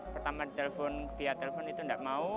pertama di telepon itu enggak mau